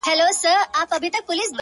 زه د ښار ښايستې لكه كمر تر ملا تړلى يم.